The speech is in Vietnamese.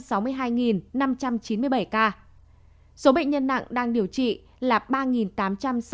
số bệnh nhân nặng đang điều trị là ba tám trăm sáu mươi chín ca